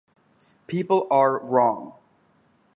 People Are Wrong!